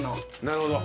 なるほど。